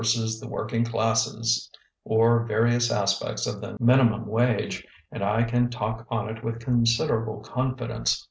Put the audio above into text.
_ the Working Classes," or "Various Aspects of the Minimum Wage," and I can talk on it with considerable confidence.